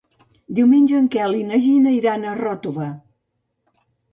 Diumenge en Quel i na Gina iran a Ròtova.